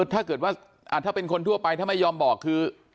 ถ้าเป็นคนทั่วไปถ้าไม่ยอมบอกคือ